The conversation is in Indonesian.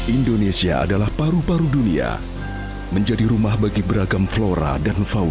indonesia adalah paru paru dunia menjadi rumah bagi beragam flora dan fauna